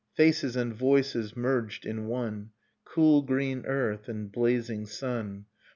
Faces and voices merged in one. Cool green earth and blazing sun